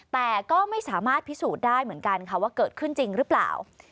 แต่ก็ไม่สามารถพิสูจน์ได้เหมือนกันค่ะว่าเกิดขึ้นจริงหรือเปล่า